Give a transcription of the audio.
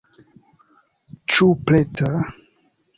Ĉu preta?